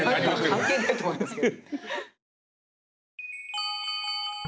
関係ないと思いますけど。